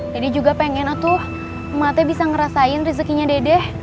dede juga pengen tuh emak teh bisa ngerasain rizekinya dede